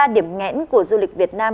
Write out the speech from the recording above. ba điểm nghẽn của du lịch việt nam